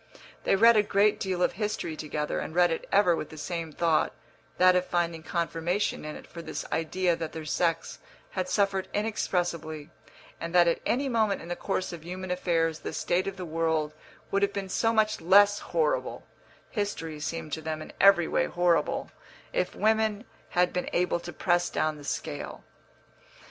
They read a great deal of history together, and read it ever with the same thought that of finding confirmation in it for this idea that their sex had suffered inexpressibly, and that at any moment in the course of human affairs the state of the world would have been so much less horrible (history seemed to them in every way horrible) if women had been able to press down the scale.